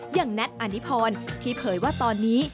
แน็ตอานิพรที่เผยว่าตอนนี้